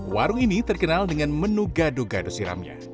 warung ini terkenal dengan menu gado gado siramnya